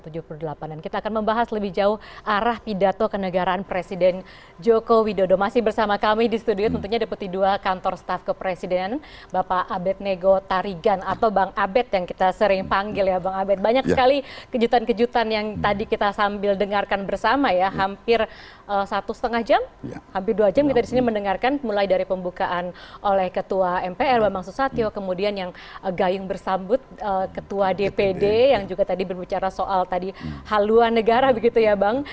satu lima jam hampir dua jam kita disini mendengarkan mulai dari pembukaan oleh ketua mpr bapak susatyo kemudian yang gayung bersambut ketua dpd yang juga tadi berbicara soal haluan negara begitu ya bang